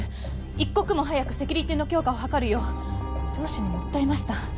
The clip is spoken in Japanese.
一刻も早くセキュリティーの強化を図るよう上司にも訴えました。